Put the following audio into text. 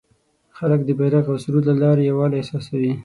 خلک د بیرغ او سرود له لارې یووالی احساسوي.